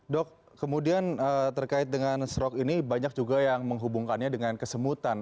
dok kemudian terkait dengan stroke ini banyak juga yang menghubungkannya dengan kesemutan